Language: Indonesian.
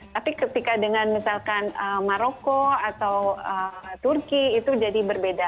tapi ketika dengan misalkan maroko atau turki itu jadi berbeda